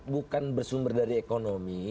bukan bersumber dari ekonomi